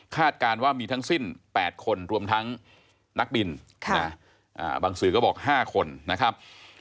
การว่ามีทั้งสิ้น๘คนรวมทั้งนักบินบางสื่อก็บอก๕คนนะครับ